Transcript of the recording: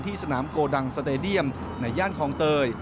สนามโกดังสเตดียมในย่านคลองเตย